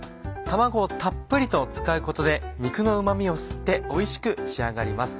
卵をたっぷりと使うことで肉のうま味を吸っておいしく仕上がります。